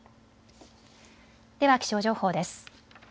では気象情報です。